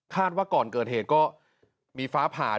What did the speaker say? คาดว่าก่อนเกิดเหตุก็มีฝาผ่าด้วย